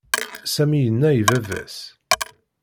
Sami yenna i baba-s.